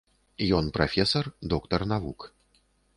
Ён прафесар, доктар навук.